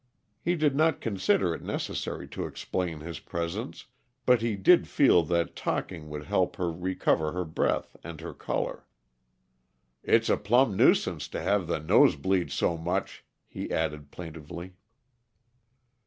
He did not consider it necessary to explain his presence, but he did feel that talking would help her recover her breath and her color. "It's a plumb nuisance to have the nosebleed so much," he added plaintively.